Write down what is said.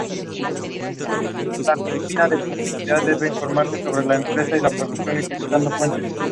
No hay promoción.